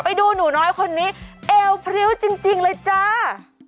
ไปดูหนูน้อยคนนี้เอวพริ้วจริงเลยจ้า